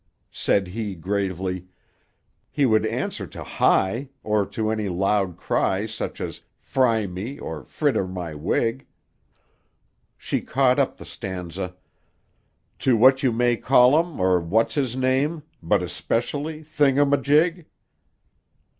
Said he gravely: "He would answer to 'Hi!' or to any loud cry Such as 'Fry me' or 'Fritter my wig'!" She caught up the stanza: "To 'What you may call um' or 'What was his name!' But especially 'Thing um a jig.